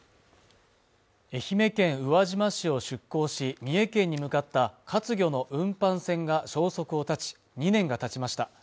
愛媛県宇和島市を出港し三重県に向かった活魚の運搬船が消息を絶ち２年がたちました